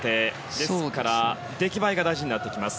ですから、出来栄えが大事になってきます。